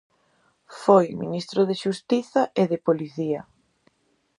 Foi ministro de Xustiza e de Policía.